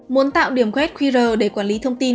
muốn tạo điểm quét qr để quản lý thông tin